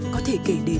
có thể kể đến